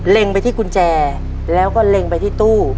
ไปที่กุญแจแล้วก็เล็งไปที่ตู้